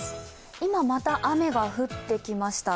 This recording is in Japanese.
今、また雨が降ってきました。